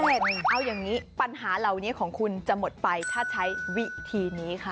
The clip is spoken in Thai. เอาอย่างนี้ปัญหาเหล่านี้ของคุณจะหมดไปถ้าใช้วิธีนี้ค่ะ